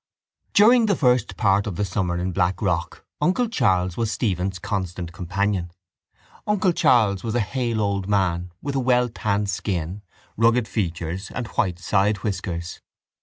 During the first part of the summer in Blackrock uncle Charles was Stephen's constant companion. Uncle Charles was a hale old man with a well tanned skin, rugged features and white side whiskers.